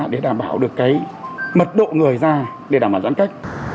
để đảm bảo được cái mật độ người ra để đảm bảo giãn cách